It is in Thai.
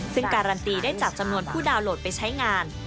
ซึ่งการันตีได้จากจำนวนผู้ดาวนโหลดไปใช้งาน